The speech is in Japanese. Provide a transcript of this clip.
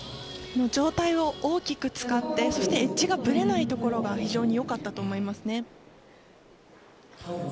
上体を大きく使ってエッジがぶれないところが非常に良かったと思います。